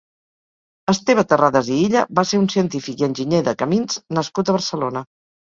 Esteve Terradas i Illa va ser un científic i enginyer de camins nascut a Barcelona.